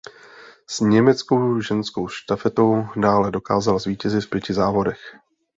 S německou ženskou štafetou dále dokázala zvítězit v pěti závodech.